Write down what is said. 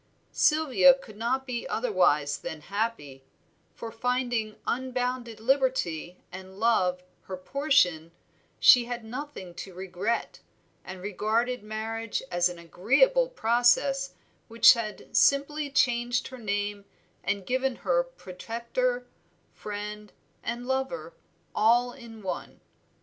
Sylvia could not be otherwise than happy, for finding unbounded liberty and love her portion, she had nothing to regret, and regarded marriage as an agreeable process which had simply changed her name and given her protector, friend, and lover all in one.